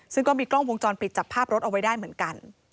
ซึ่งก็มีกล้องวงจรปิดจับภาพรถเอาไว้ได้เหมือนกัน